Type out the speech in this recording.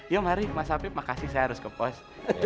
ya mari mas hafib makasih saya harus ke pos